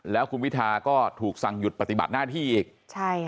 แล้วคุณวิทาก็ถูกสั่งหยุดปฏิบัติหน้าที่อีกใช่ค่ะ